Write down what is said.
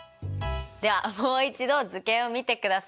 ではもう一度図形を見てください。